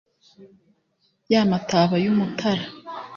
y'amataba y'umutara